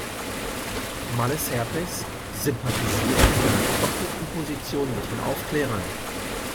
Malesherbes sympathisierte in einer doppelten Position mit den Aufklärern.